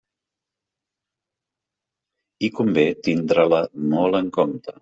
I convé tindre-la molt en compte.